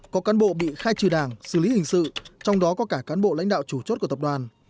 có cán bộ bị khai trừ đảng xử lý hình sự trong đó có cả cán bộ lãnh đạo chủ chốt của tập đoàn